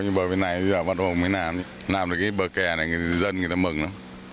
nhưng bờ bên này bắt đầu mới làm làm được cái bờ kè này dân người ta mừng lắm